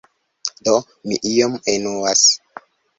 Do mi iom enuas.